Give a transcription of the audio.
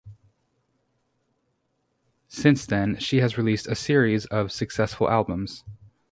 Since then she has released a series of successful albums.